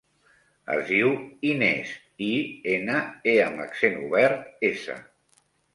Es diu Inès: i, ena, e amb accent obert, essa.